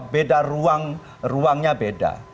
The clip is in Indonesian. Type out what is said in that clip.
beda ruangnya beda